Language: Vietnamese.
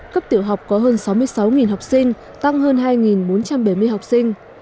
cấp tiểu học có hơn sáu mươi sáu học sinh tăng hơn hai bốn trăm bảy mươi học sinh